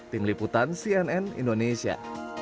tim liputan cnn indonesia